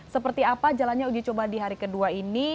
seperti apa jalannya uji coba di hari kedua ini